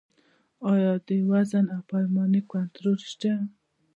آیا د وزن او پیمانې کنټرول شته؟